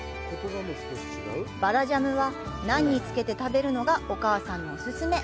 バラジャムは、ナンに付けて食べるのがお母さんのオススメ。